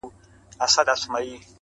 • په زرګونو مي لا نور یې پوروړی -